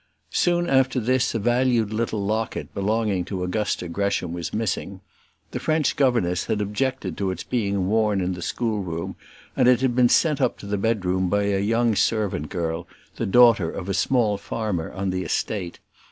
Soon after this a valued little locket belonging to Augusta Gresham was missing. The French governess had objected to its being worn in the schoolroom, and it had been sent up to the bedroom by a young servant girl, the daughter of a small farmer on the estate.